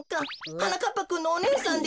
はなかっぱくんのおねえさんですか？